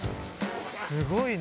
すごいな。